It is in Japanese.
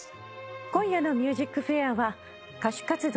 今夜の『ＭＵＳＩＣＦＡＩＲ』は歌手活動